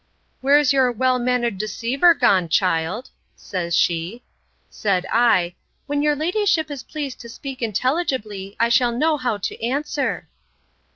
Where's your well mannered deceiver gone, child?—says she.—Said I, When your ladyship is pleased to speak intelligibly, I shall know how to answer.